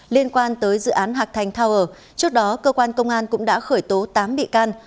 liên quan tới dự án hạc thành tower trước đó cơ quan công an cũng đã khởi tố tám bị can